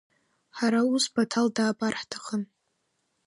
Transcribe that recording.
Ҳара ус Баҭал даабар ҳҭахын…